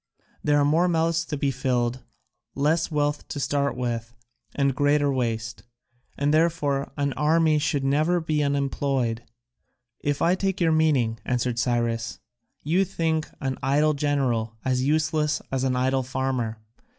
There are more mouths to be filled, less wealth to start with, and greater waste; and therefore an army should never be unemployed." "If I take your meaning," answered Cyrus, "you think an idle general as useless as an idle farmer.